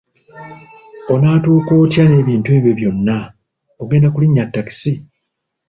Onatuuka otya n'ebintu ebyo byonna, ogenda kulinnya takisi?